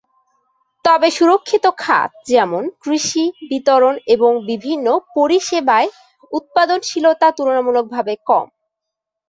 তবে সুরক্ষিত খাত যেমন কৃষি, বিতরণ এবং বিভিন্ন পরিষেবায় উৎপাদনশীলতা তুলনামূলকভাবে কম।